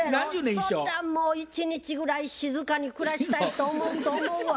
そんなんもう一日ぐらい静かに暮らしたいと思うと思うわ。